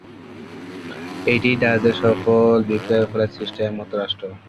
এটিই দাসদের সফল বিপ্লবের ফলে সৃষ্ট একমাত্র রাষ্ট্র।